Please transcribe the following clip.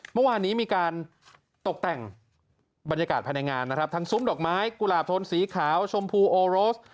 เมื่อวานนี้มีการตกแต่งบรรยากาศภายในงานนะครับทั้งซุ้มดอกไม้กุหลาบทนสีขาวชมพูโอโรส